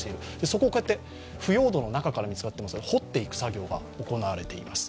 そこを腐葉土の中から見つかっていきますから、掘っていく作業が行われています。